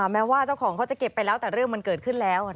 แม้ว่าเจ้าของเขาจะเก็บไปแล้วแต่เรื่องมันเกิดขึ้นแล้ว